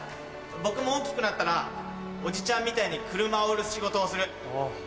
僕も大きくなったらおじちゃんみたいに車を売る仕事をする！